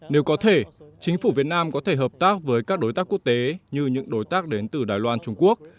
nếu có thể chính phủ việt nam có thể hợp tác với các đối tác quốc tế như những đối tác đến từ đài loan trung quốc